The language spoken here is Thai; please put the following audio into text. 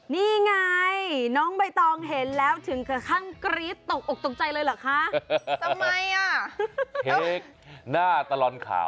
นี่ไงน้องใบตรองเห็นแล้วถึงค่อนข้างกรี๊ดตกออกตกใจเลยหรอคะ